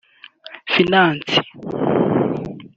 finance